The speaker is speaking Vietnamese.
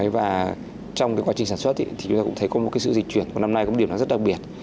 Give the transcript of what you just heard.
và trong cái quá trình sản xuất thì chúng ta cũng thấy có một cái sự dịch chuyển của năm nay cũng là một điểm rất đặc biệt